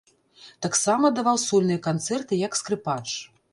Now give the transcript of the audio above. Таксама даваў сольныя канцэрты як скрыпач.